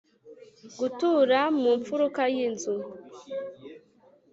gutura mu mfuruka y'inzu